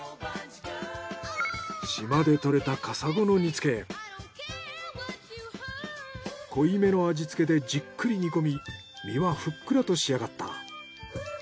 島で獲れた濃い目の味つけでじっくり煮込み身はふっくらと仕上がった。